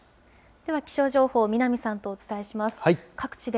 では、気象情報、南さんとお伝えします。